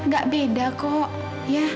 gak beda kok ya